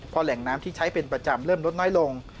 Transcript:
พอแหล่งน้ำที่ใช้เป็นประจำเริ่มลดน้อยลง